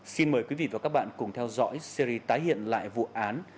xin mời quý vị và các bạn cùng theo dõi series tái hiện lại vụ án